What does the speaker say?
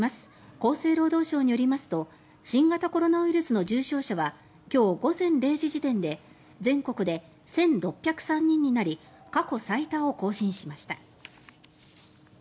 厚生労働省によりますと新型コロナウイルスの重症者は今日午前０時時点で全国で１６０３人になり過去最多を更新しました。